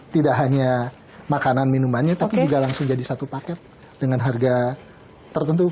tidak hanya makanan minumannya tapi juga langsung jadi satu paket dengan harga tertentu